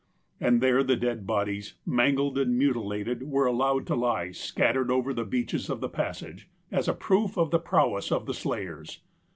And there the dead bodies, mangled and muti lated, were allowed to lie scattered over the beaches of the passage as a proof of the prowess of the slayers.